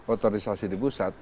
otorisasi di pusat